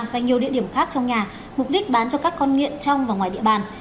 và nhiều địa điểm khác trong nhà mục đích bán cho các con nghiện trong và ngoài địa bàn